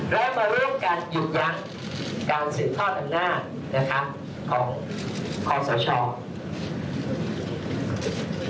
และมาร่วมกันยุคยักษ์การสื่อท่อธนาฏของสาวชอบ